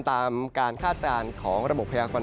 ตามการคาดการณ์ของระบบพยากร